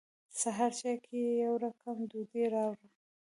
سهار چای کې یې يو رقم ډوډۍ راوړه.